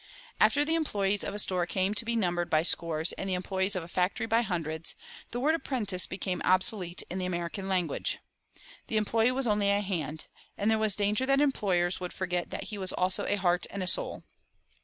After the employees of a store came to be numbered by scores and the employees of a factory by hundreds, the word "apprentice" became obsolete in the American language. The employee was only a "hand," and there was danger that employers would forget that he was also a heart and a soul.